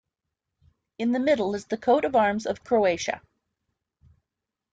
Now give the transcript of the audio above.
In the middle is the coat of arms of Croatia.